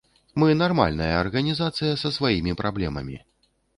Мы нармальная арганізацыя, са сваімі праблемамі.